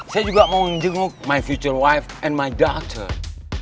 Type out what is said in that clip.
saya juga mau ngenjenguk future wife and my daughter